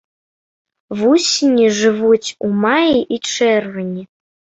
Вусені жывуць у маі і чэрвені.